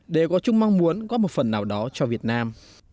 đều có chung mong muốn góp một phần nào đó cho việt nam